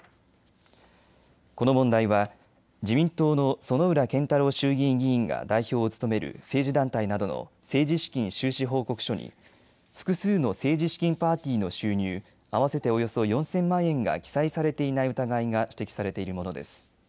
この問題は自民党の薗浦健太郎衆議院議員が代表を務める政治団体などの政治資金収支報告書に複数の政治資金パーティーの収入合わせておよそ４０００万円が記載されていない疑いが指摘されているものです。